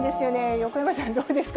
横山さん、どうですか？